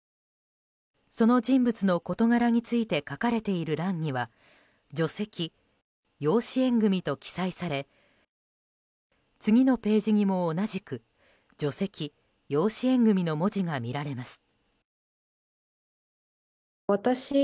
その人物の事柄について書かれている欄には除籍、養子縁組と記載され次のページにも同じく除籍、養子縁組の文字が見られます。